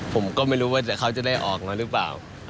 ผมก็ไม่รู้ว่าเขาจะได้ออกมาหรือเปล่า